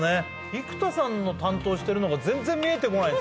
生田さんが担当してるのが全然見えてこないんですよね。